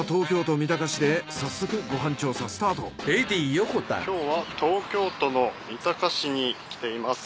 そんな今日は東京都の三鷹市に来ています。